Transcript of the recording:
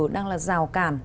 đang là rào cản